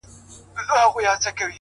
هره ناکامي د بیا هڅې درس دی’